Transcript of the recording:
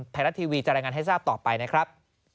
ไทยรัฐทีวีจะรายงานให้ทราบต่อไปนะครับ